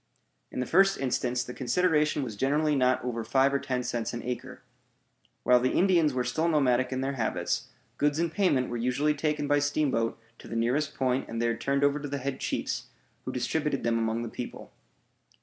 In the first instance, the consideration was generally not over five or ten cents an acre. While the Indians were still nomadic in their habits, goods in payment were usually taken by steamboat to the nearest point and there turned over to the head chiefs, who distributed them among the people.